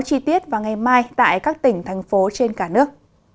chi tiết vào ngày mai tại các tỉnh thành phố trên cả nước